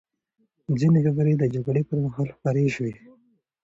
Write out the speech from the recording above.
ځینې خبرې د جګړې پر مهال خپرې شوې.